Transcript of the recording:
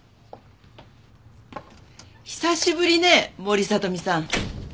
久しぶりね森聡美さん。